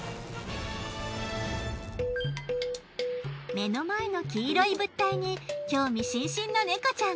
目の前の黄色い物体に興味津々の猫ちゃん。